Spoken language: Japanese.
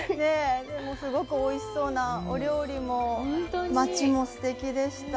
すごくおいしそうなお料理も、街もすてきでした。